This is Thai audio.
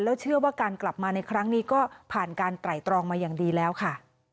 เชื่อว่าการกลับมาในครั้งนี้ก็ผ่านการไตรตรองมาอย่างดีแล้วค่ะ